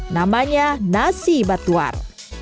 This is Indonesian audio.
namanya nasi batuar